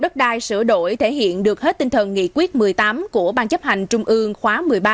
đất đai sửa đổi thể hiện được hết tinh thần nghị quyết một mươi tám của ban chấp hành trung ương khóa một mươi ba